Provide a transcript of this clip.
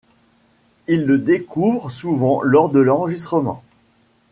Ils le découvrent souvent lors de l'enregistrement.